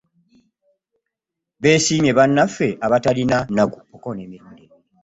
Beesiimye bannaffe abatalina nnaku.